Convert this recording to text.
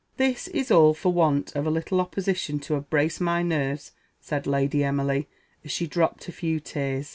"This is all for want of a little opposition to have braced my nerves," said Lady Emily, as she dropped a few tears.